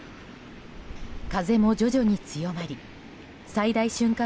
風も徐々に強まり最大瞬間